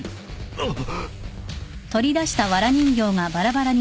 あっ？